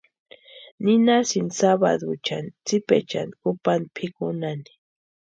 Ninhasinti sabaduchani tsipechani kupanta pʼikunhani.